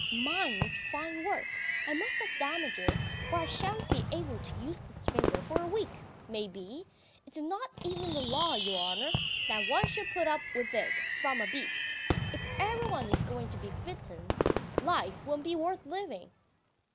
... Mine is fine work. I must have damages, for I shan't be able to use this finger for a week, may be. ... It's not even the law, your honour, that one should put up with it from a beast. ... If everyone is going to be bitten, life won't be worth living.